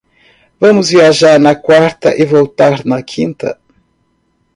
Vamos viajar na quarta e voltar na quinta